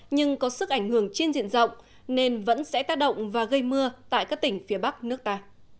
nhưng có sức ảnh hưởng trên diện rộng nên vẫn sẽ tác động và gây mưa tại các tỉnh phía bắc nước ta